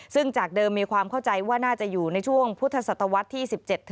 ซึ่งจากเดิมมีความเข้าใจว่าน่าจะอยู่ในช่วงพุทธศตวรรษที่๑๗